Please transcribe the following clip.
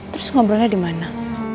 terus ngobrolnya di mana